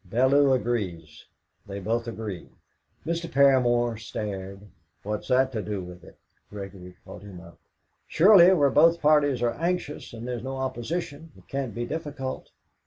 "Bellew agrees they both agree!" Mr. Paramor stared. "What's that to do with it?" Gregory caught him up. "Surely, where both parties are anxious, and there's no opposition, it can't be difficult."